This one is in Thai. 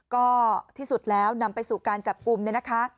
ก็ที่สุดแล้วนำไปสู่การจับกลุ่มเนี่ยนะคะ